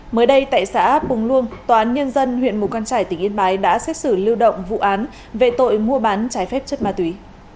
mới đây tại xã bùng luông tòa án nhân dân huyện mù căng trải tỉnh yên bái đã xét xử lưu động vụ án về tội mua bán trái phép chất ma túy